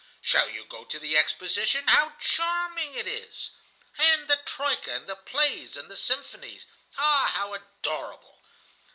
"'Shall you go to the Exposition? How charming it is!' "'And the troika, and the plays, and the symphony. Ah, how adorable!